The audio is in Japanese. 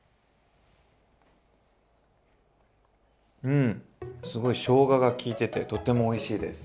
うんすごいしょうがが効いててとてもおいしいです。